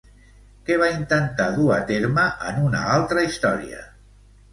Què va intentar du a terme en una altra història?